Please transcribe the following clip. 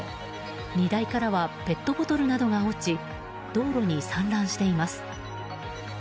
荷台からはペットボトルなどが落ち道路に散乱しています。